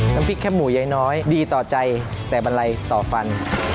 น้ำพริกแค่หมูยายน้อยดีต่อใจแต่บันไรต่อฟัน